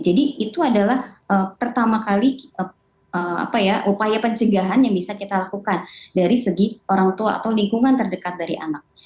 jadi itu adalah pertama kali upaya pencegahan yang bisa kita lakukan dari segi orang tua atau lingkungan terdekat dari anak